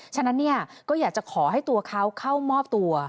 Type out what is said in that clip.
ฉะนั้นเนี่ยก็อยากจะขอให้ตัวเขาเข้ามอบตัว